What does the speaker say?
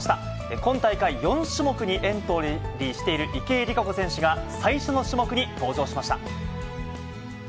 今大会４種目にエントリーしている池江璃花子選手が最初の種目に登場しました。